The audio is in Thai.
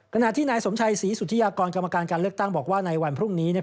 ขณะที่นายสมชัยศรีสุธิยากรกรรมการการเลือกตั้งบอกว่าในวันพรุ่งนี้